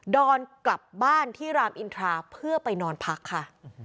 อนกลับบ้านที่รามอินทราเพื่อไปนอนพักค่ะ